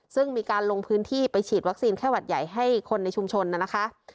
ซึ่งมีการลงพื้นที่ไปฉีดวัคซีนไข้หวัดใหญ่ให้คนในชุมชนนะคะ